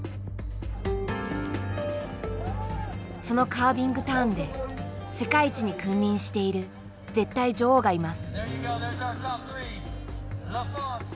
そのカービングターンで世界一に君臨している絶対女王がいます。